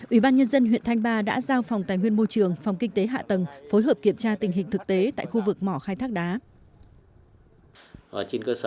ubnd huyện thanh ba đã giao phòng tài nguyên môi trường phòng kinh tế hạ tầng phối hợp kiểm tra tình hình thực tế tại khu vực mỏ khai thác đá